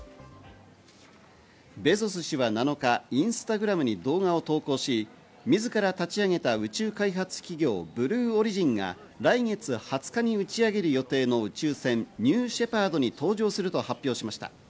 ベゾス氏は７日、インスタグラムに動画を投稿し、自ら立ち上げた宇宙開発企業・ブルーオリジンが来月２０日に打ち上げる予定の宇宙船ニューシェパードに搭乗すると発表しました。